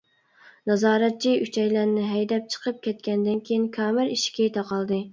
نازارەتچى ئۈچەيلەننى ھەيدەپ چىقىپ كەتكەندىن كېيىن كامېر ئىشىكى تاقالدى.